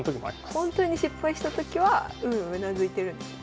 ほんとに失敗したときはうんうんうなずいてるんですね。